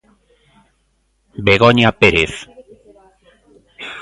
Begoña Pérez.